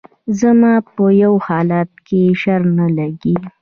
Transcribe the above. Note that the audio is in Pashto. زما په يو حالت کښې شر نه لګي